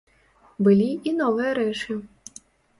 Былі і новыя рэчы.